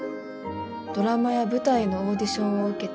「ドラマや舞台のオーディションを受けて」